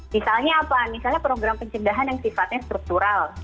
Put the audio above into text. misalnya apa misalnya program pencegahan yang sifatnya struktural